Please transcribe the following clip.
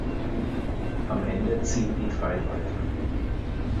Am Ende ziehen die drei weiter.